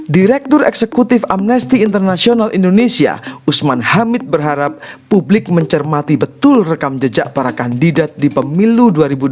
direktur eksekutif amnesty international indonesia usman hamid berharap publik mencermati betul rekam jejak para kandidat di pemilu dua ribu dua puluh